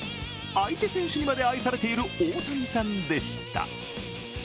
相手選手にまで愛されている大谷さんでした。